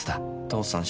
父さん